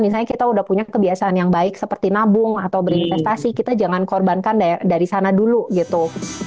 misalnya kita udah punya kebiasaan yang baik seperti nabung atau berinvestasi kita jangan korbankan dari sana dulu gitu